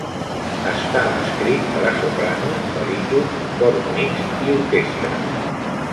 Està escrit per a soprano, baríton, cor mixt i orquestra.